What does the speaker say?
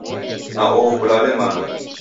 Na oho kulale mana.